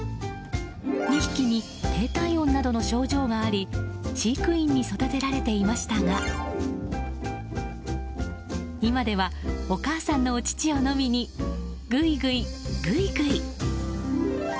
２匹に低体温などの症状があり飼育員に育てられていましたが今ではお母さんのお乳を飲みにぐいぐい、ぐいぐい。